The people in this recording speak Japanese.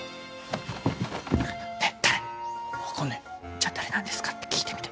じゃあ「誰なんですか？」って聞いてみて。